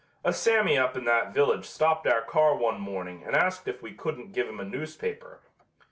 A Sammy up in that village stopped our car one morning and asked if we couldn't give him a newspaper.